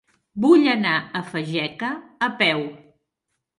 Vull anar a Fageca a peu.